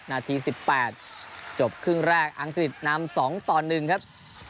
นาทีสิบแปดจบครึ่งแรกอังกฤษนำสองต่อหนึ่งครับ